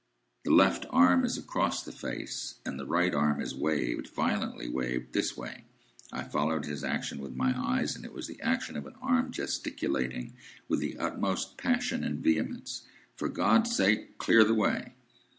The left arm is across the face, and the right arm is waved,—violently waved. This way." I followed his action with my eyes, and it was the action of an arm gesticulating, with the utmost passion and vehemence, "For God's sake, clear the way!"